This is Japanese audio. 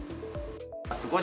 すごい